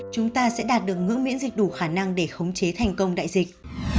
chúng ta sẽ đạt được ngưỡng miễn dịch đủ khả năng để khống chế thành công đại dịch